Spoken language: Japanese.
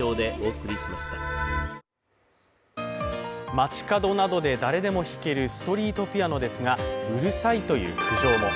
街角などで誰でも弾けるストリートピアノですがうるさいという苦情も。